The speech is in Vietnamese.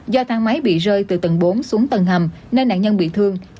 do thang máy bị rơi từ tầng bốn xuống tầng hầm nên nạn nhân bị thương